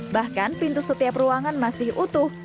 bahkan pintu setiap ruangan masih utuh